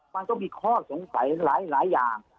มันก็มีข้อสงสัยหลายอย่าง